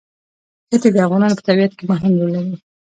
ښتې د افغانستان په طبیعت کې مهم رول لري.